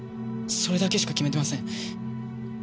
それだけしか決めてません。